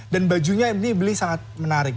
dan bajunya ini belinyoman sangat menarik